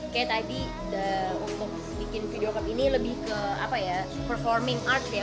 kayak tadi untuk bikin video cut ini lebih ke performing art ya